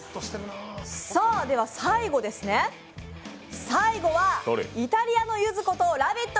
では最後はイタリアのゆずこと「ラヴィット！」